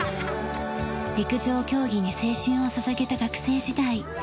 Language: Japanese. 陸上競技に青春を捧げた学生時代。